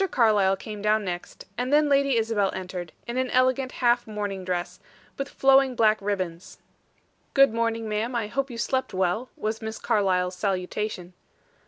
Carlyle came down next; and then Lady Isabel entered, in an elegant half mourning dress, with flowing black ribbons. "Good morning, ma'am. I hope you slept well," was Miss Carlyle's salutation.